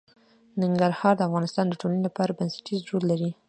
ننګرهار د افغانستان د ټولنې لپاره بنسټيز رول لري.